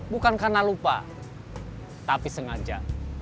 bukan karena lupa tapi sengaja